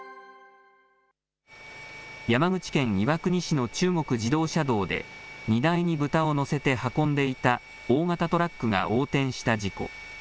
山口県岩国市の中国自動車道で、荷台に豚を載せて運んでいた大型トラックが横転した事故。